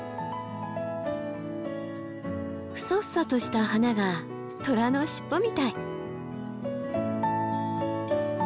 フサフサとした花が虎の尻尾みたい。